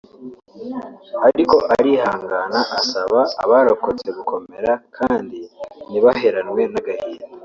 ariko arihangana asaba abarokotse gukomera kandi ntibaheranwe n’agahinda